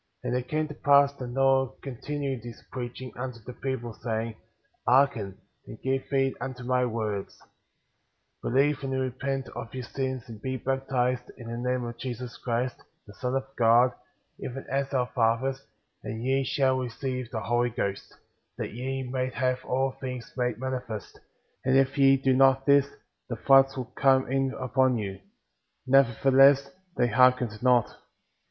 ^ 23. And it came to pass that Noah continued his preaching unto the people, saying: Hearken, and give heed unto my words ; 24. Believe and repent* of your sins and be baptized^ in the name of Jesus Christ,* the Son of God,^ even as our fathers, and ye shall receive the Holy Ghost,*" that ye may have all things made manifest; and if ye do not this, the floods'* will come in upon you; nevertheless they hearkened not.